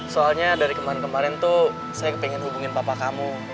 soalnya dari kemarin kemarin tuh saya pengen hubungin bapak kamu